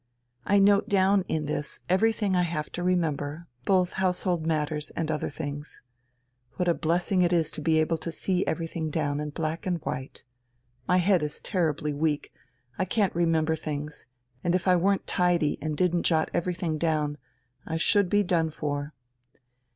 I note down in this everything I have to remember, both household matters and other things. What a blessing it is to be able to see everything down in black and white! My head is terribly weak, it can't remember things, and if I weren't tidy and didn't jot everything down, I should be done for.